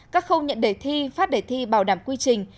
các khâu nhận đề thi phát đề thi bảo đảm quy trình